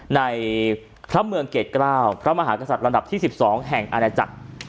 ในพระเมืองเกรดเกล้าพระมหากษัตริย์ลำดับที่๑๒แห่งอาณาจักร